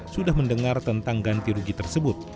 sudah mendengar tentang ganti rugi tersebut